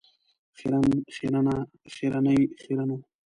خیرن، خیرنه ،خیرنې ، خیرنو .